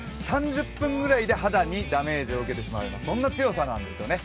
３０分ぐらいで肌にダメージを受けてしまう、そんな強さなんですよね。